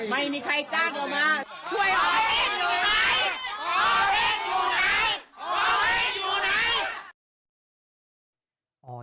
ไม่มีใครจ้างเรามา